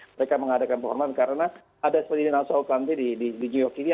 mereka mengadakan penghormatan karena ada seperti di nassau county di new york ini